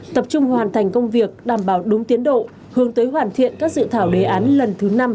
tập trung hoàn thành công việc đảm bảo đúng tiến độ hướng tới hoàn thiện các dự thảo đề án lần thứ năm